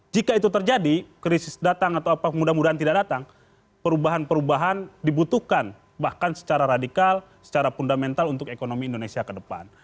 jika itu terjadi krisis datang atau apa mudah mudahan tidak datang perubahan perubahan dibutuhkan bahkan secara radikal secara fundamental untuk ekonomi indonesia ke depan